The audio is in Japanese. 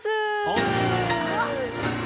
あっ。